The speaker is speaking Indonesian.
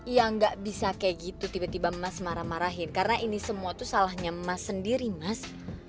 ya gak bisa kayak gitu tiba tiba emas marah marahin karena ini semua tuh salahnya mas sendiri mas